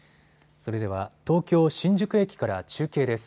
それでは東京新宿駅から中継です。